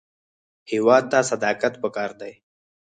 هېواد ته صداقت پکار دی